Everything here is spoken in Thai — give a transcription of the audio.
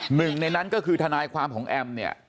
หนึ่งในนั้นก็คือทนายความของแอมเนี่ย